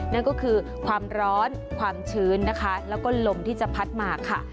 นั่นก็คือความร้อนความชื้นนะคะแล้วก็ลมที่จะพัดมาค่ะ